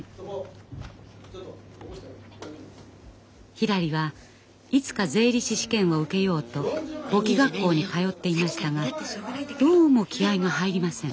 ひらりはいつか税理士試験を受けようと簿記学校に通っていましたがどうも気合いが入りません。